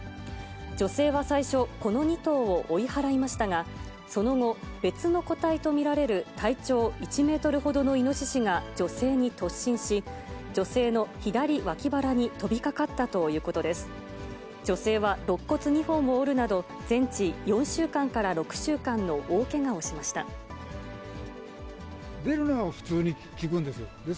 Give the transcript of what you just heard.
女性は最初、この２頭を追い払いましたが、その後、別の個体と見られる、体長１メートルほどのイノシシが女性に突進し、女性の左脇腹に飛びかかったということです。